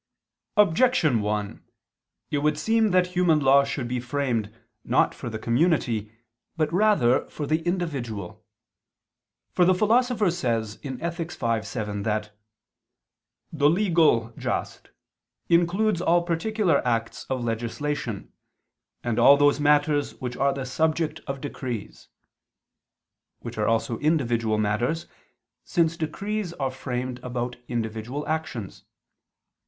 Objection 1: It would seem that human law should be framed not for the community, but rather for the individual. For the Philosopher says (Ethic. v, 7) that "the legal just ... includes all particular acts of legislation ... and all those matters which are the subject of decrees," which are also individual matters, since decrees are framed about individual actions.